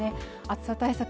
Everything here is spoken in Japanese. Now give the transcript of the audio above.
暑さ対策